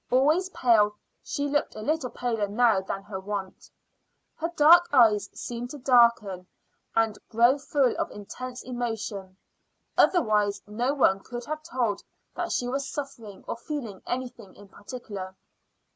Always pale, she looked a little paler now than her wont. Her darks eyes seemed to darken and grow full of intense emotion; otherwise no one could have told that she was suffering or feeling anything in particular.